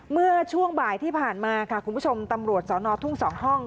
เมื่อช่วงบ่ายที่ผ่านมาค่ะคุณผู้ชมตำรวจสอนอทุ่ง๒ห้อง